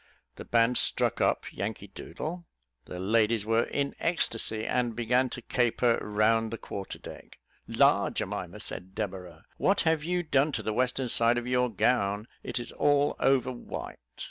The band struck up "Yankee Doodle," the ladies were in ecstacy, and began to caper round the quarter deck. "La! Jemima," said Deborah, "what have you done to the western side of your gown? it is all over white."